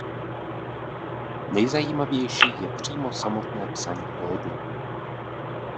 Nejzajímavější je přímo samotné psaní kódu.